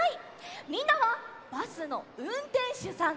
みんなはバスのうんてんしゅさんです。